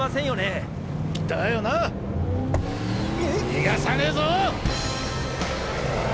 逃がさねぇぞ！